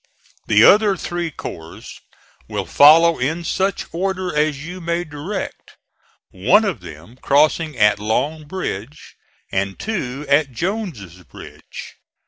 The other three corps will follow in such order as you may direct, one of them crossing at Long Bridge, and two at Jones's Bridge.